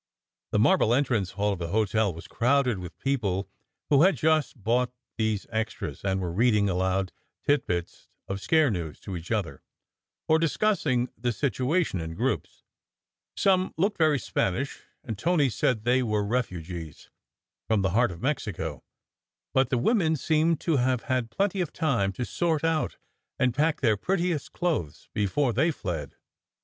The marble entrance hall of the hotel was crowded with peo ple who had just bought these extras, and were reading aloud tit bits of "scare" news to each other, or discussing the situation in groups. Some looked very Spanish, and Tony said they were refugees, from the heart of Mexico; but the women seemed to have had plenty of time to sort out and pack their prettiest clothes before they fled.